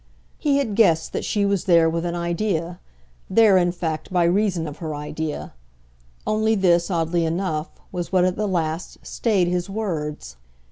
He had guessed that she was there with an idea, there in fact by reason of her idea; only this, oddly enough, was what at the last stayed his words.